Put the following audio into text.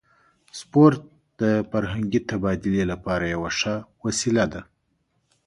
سپورت د فرهنګي تبادلې لپاره یوه ښه وسیله ده.